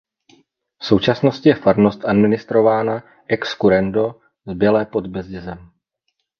V současnosti je farnost administrována ex currendo z Bělé pod Bezdězem.